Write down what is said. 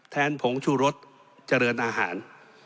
ผงชูรสเจริญอาหาร